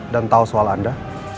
dan tau soal anda